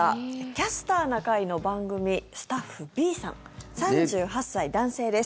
「キャスターな会」の番組スタッフＢさん、３８歳男性です。